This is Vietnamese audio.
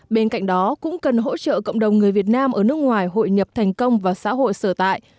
bên cạnh đó cũng cần hỗ trợ cộng đồng người việt nam ở nước ngoài hội nhập thành công vào xã hội sở tại